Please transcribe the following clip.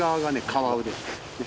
カワウですね。